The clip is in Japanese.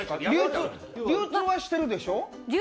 流通はしてるでしょう？